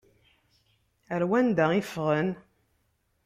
Ar wanda i ffɣen?